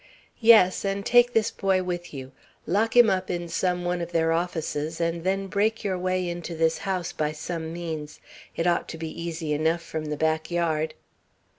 "Yes, and take this boy with you. Lock him up in some one of their offices, and then break your way into this house by some means. It ought to be easy enough from the back yard."